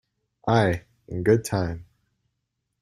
Aye, in good time.